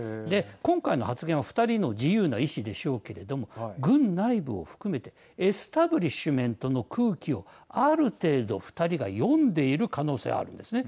今回の発言は２人の自由な意思でしょうけれども軍内部を含めてエスタブリッシュメントの空気をある程度２人が読んでいる可能性があるんですね。